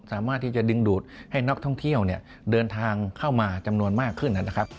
สามารถที่จะดึงดูดให้นักท่องเที่ยวเนี่ยเดินทางเข้ามาจำนวนมากขึ้นนะครับ